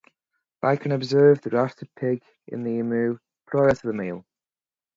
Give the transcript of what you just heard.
They can observe the roasted pig in the imu prior to the meal.